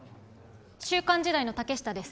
「週刊時代」の竹下です。